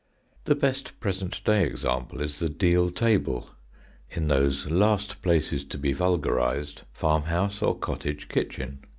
The best present day example is the deal table in those last places to be vulgarised, farm house or cottage kitchen.